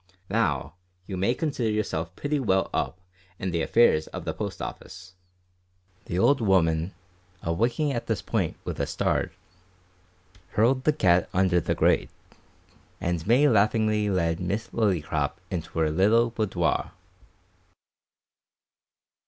Now, you may consider yourself pretty well up in the affairs of the Post Office." The old 'ooman, awaking at this point with a start, hurled the cat under the grate, and May laughingly led Miss Lillycrop into her little boudoir.